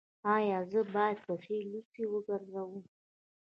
ایا زه باید پښې لوڅې وګرځم؟